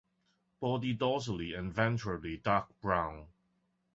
Body dorsally and ventrally dark brown.